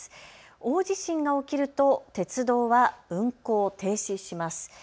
大地震が起きると鉄道は運行停止します。